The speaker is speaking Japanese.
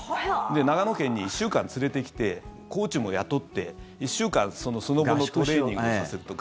長野県に１週間連れてきてコーチも雇って１週間、スノボのトレーニングをさせるとか。